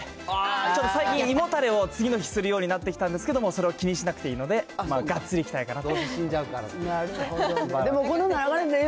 ちょっと最近、胃もたれを次の日するようになってきたので、それを気にしなくていいのでがっつりいきたいかなと。